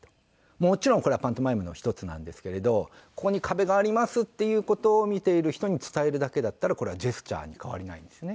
もちろんこれはパントマイムの１つなんですけれどここに壁がありますっていう事を見ている人に伝えるだけだったらこれはジェスチャーに変わりないんですね